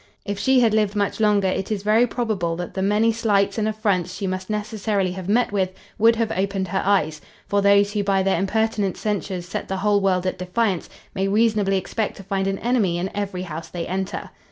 If she had lived much longer, it is very probable that the many slights and affronts she must necessarily have met with, would have opened her eyes: For those who by their impertinent censures set the whole world at defiance, may reasonably expect to find an enemy in every house they enter.